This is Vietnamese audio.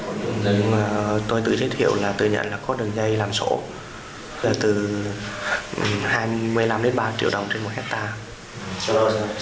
mà tôi tự giới thiệu là tự nhận là có đường dây làm sổ là từ hai mươi năm đến ba triệu đồng trên một hectare